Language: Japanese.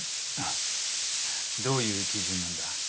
あどういう基準なんだ？